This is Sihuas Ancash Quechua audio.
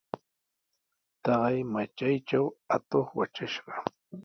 Taqay matraytrawmi atuq watrashqa.